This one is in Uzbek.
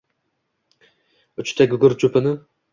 Uchta gugurt cho‘pini: